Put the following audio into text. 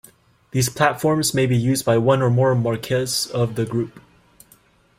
These platforms may be used by one or more marques of the Group.